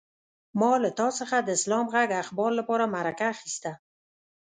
ما له تا څخه د اسلام غږ اخبار لپاره مرکه اخيسته.